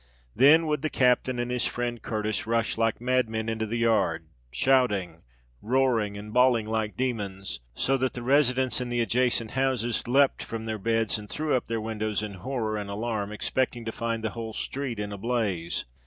Then would the captain and his friend Curtis rush like mad men into the yard, shouting—roaring—and bawling like demons, so that the residents in the adjacent houses leapt from their beds and threw up their windows in horror and alarm, expecting to find the whole street in a blaze.